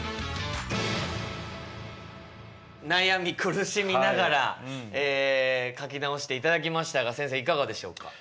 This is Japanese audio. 悩み苦しみながら書き直していただきましたが先生いかがでしょうか？